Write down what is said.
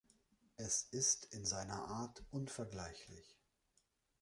Es ist in seiner Art unvergleichlich.